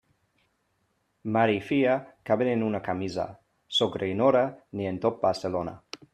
Mare i filla caben en una camisa; sogra i nora, ni en tot Barcelona.